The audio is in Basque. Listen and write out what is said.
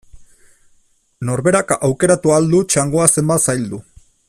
Norberak aukeratu ahal du txangoa zenbat zaildu.